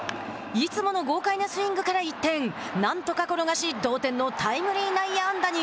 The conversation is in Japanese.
いつもの豪快なスイングから一転なんとか転がし同点のタイムリー内野安打に。